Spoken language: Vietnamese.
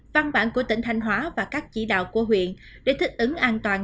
văn bản của tỉnh thanh hóa và các chỉ đạo của huyện để thích ứng an toàn